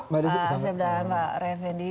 terima kasih kepada mbak revendy